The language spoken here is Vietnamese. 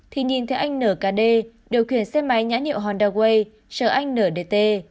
thì nhìn thấy anh nở kd điều kiện xe máy nhãn hiệu honda way chờ anh nở dt